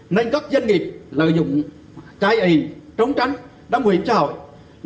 nên các doanh nghiệp lợi dụng trái ị trống tránh đám nguy hiểm xã hội